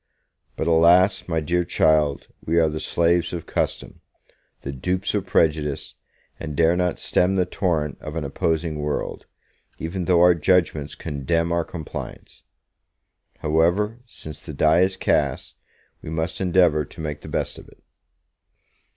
But alas, my dear child, we are the slaves of custom, the dupes of prejudice, and dare not stem the torrent of an opposing world, even though our judgements condemn our compliance! However, since the die is cast, we must endeavor to make the best of it.